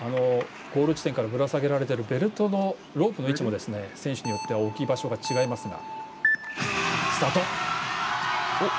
ゴール地点からぶら下げられているベルトの位置も選手によっては置き場所が違いますが。